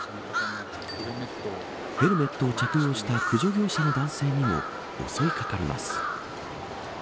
ヘルメットを着用した駆除業者の男性にも襲いかかります。